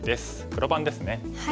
黒番ですね。